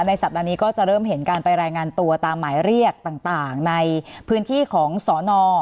สัปดาห์นี้ก็จะเริ่มเห็นการไปรายงานตัวตามหมายเรียกต่างในพื้นที่ของสน